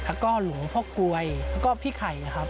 แล้วก็หลวงพ่อกลวยแล้วก็พี่ไข่นะครับ